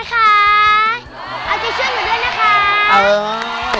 เอาใจช่วยหนูด้วยนะคะ